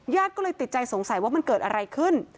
ญาติก็เลยติดใจสงสัยว่ามันเกิดอะไรขึ้น